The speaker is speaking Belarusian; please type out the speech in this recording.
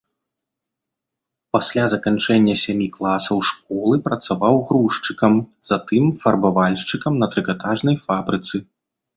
Пасля заканчэння сямі класаў школы працаваў грузчыкам, затым фарбавальшчыкам на трыкатажнай фабрыцы.